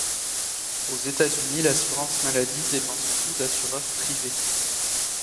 Aux États-Unis, l'assurance maladie dépend surtout d'assureurs privés.